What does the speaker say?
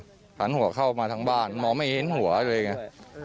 หันหัวเข้ามาทั้งบ้านมองไม่เห็นหัวเลยไง